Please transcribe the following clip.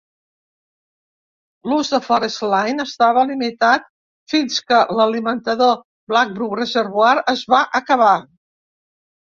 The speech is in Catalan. L'ús de Forest Line estava limitat fins que l'alimentador Blackbrook Reservoir es va acabar.